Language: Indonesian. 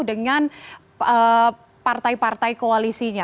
dengan partai partai koalisinya